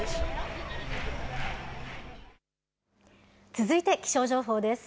続いて気象情報です。